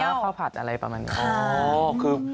ข้าวผัดอะไรประมาณนี้